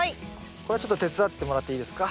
これちょっと手伝ってもらっていいですか。